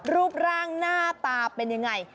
รูปร่างหน้าตาเป็นยังไง